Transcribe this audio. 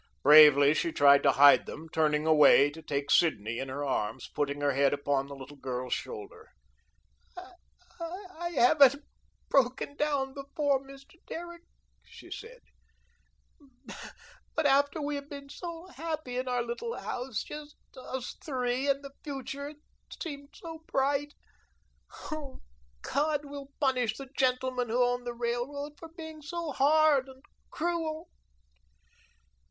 Bravely, she turned to hide them, turning away to take Sidney in her arms, putting her head upon the little girl's shoulder. "I I haven't broken down before, Mr. Derrick," she said, "but after we have been so happy in our little house, just us three and the future seemed so bright oh, God will punish the gentlemen who own the railroad for being so hard and cruel."